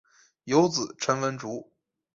有子陈文烛。